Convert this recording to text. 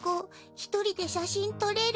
一人で写真撮れる？